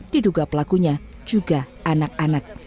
diduga pelakunya juga anak anak